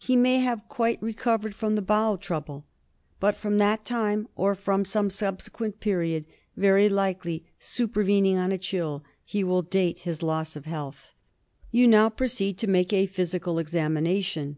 He may have quite re covered from the bowel trouble, but from that time, or from some subsequent period, very likely supervening on a chill, he will date his loss of health. You now proceed to make a physical examination.